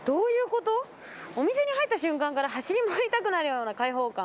お店に入った瞬間から走り回りたくなるような解放感。